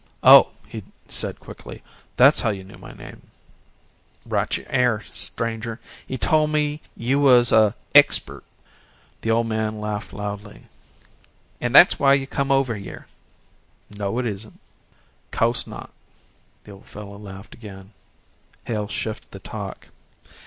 "Oh," he said quickly. "That's how you knew my name." "Right you air, stranger. He tol' me you was a expert." The old man laughed loudly. "An' that's why you come over hyeh." "No, it isn't." "Co'se not," the old fellow laughed again. Hale shifted the talk.